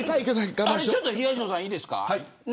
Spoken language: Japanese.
ちょっと、東野さんいいですか。